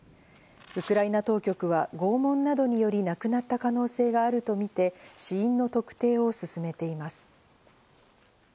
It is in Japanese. ウクライナ当局は拷問などにより亡くなった可能性があるとみて死因の特定を進めています。